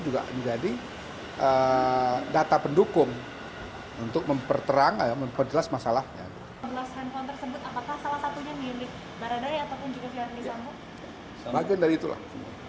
juga menjadi data pendukung untuk memperterangkan memperjelas masalahnya tersebut apakah salah